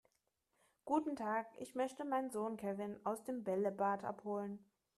Guten Tag, ich möchte meinen Sohn Kevin aus dem Bällebad abholen.